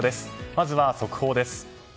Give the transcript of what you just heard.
まずは速報です。